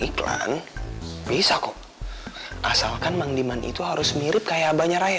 iklan bisa kok asalkan menggimana itu harus mirip kayak abahnya raya